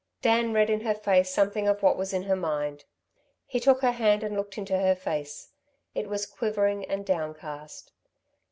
Dan read in her face something of what was in her mind. He took her hand and looked into her face. It was quivering and downcast.